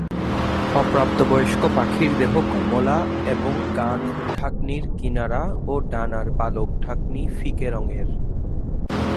অপ্রাপ্তবয়স্ক পাখির দেহ কমলা এবং কাঁধ-ঢাকনির কিনারা ও ডানার পালক ঢাকনি ফিকে রঙের।